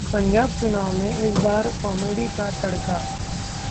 पंजाब चुनाव में इस बार कॉमेडी का तड़का